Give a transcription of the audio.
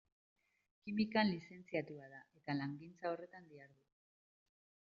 Kimikan lizentziatua da, eta langintza horretan dihardu.